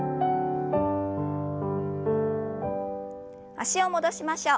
脚を戻しましょう。